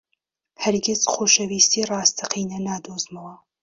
هەرگیز خۆشەویستیی ڕاستەقینە نادۆزمەوە.